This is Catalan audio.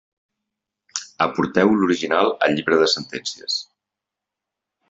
Aporteu l'original al llibre de sentències.